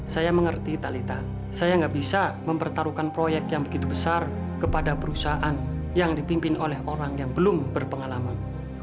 saya mengerti talitha saya nggak bisa mempertaruhkan proyek yang begitu besar kepada perusahaan yang dipimpin oleh orang yang belum berpengalaman